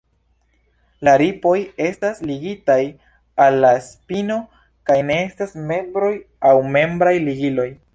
La ripoj estas ligitaj al la spino kaj ne estas membroj aŭ membraj ligiloj.